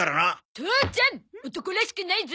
父ちゃん男らしくないゾ。